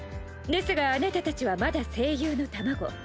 ですがあなたたちはまだ声優の卵。